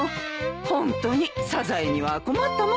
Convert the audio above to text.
ホントにサザエには困ったもんだね。